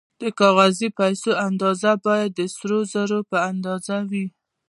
د کاغذي پیسو اندازه باید د سرو زرو په اندازه وي